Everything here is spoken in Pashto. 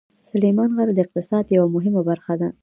سلیمان غر د اقتصاد یوه مهمه برخه ده.